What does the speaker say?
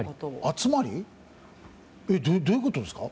集まり？どういうことですか？